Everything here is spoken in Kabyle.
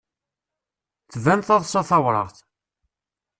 Tban teḍsa tawraɣt.